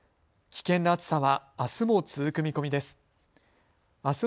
危険な暑さはあすも続く見込みです。